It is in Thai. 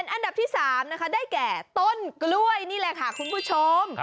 อันดับที่๓นะคะได้แก่ต้นกล้วยนี่แหละค่ะคุณผู้ชม